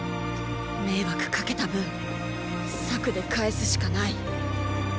迷惑かけた分策で返すしかないーー。